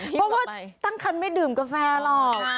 เพราะว่าตั้งคันไม่ดื่มกาแฟหรอก